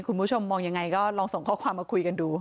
คุณผู้ชมมองยังไงก็ลองส่งข้อความมาคุยกันดู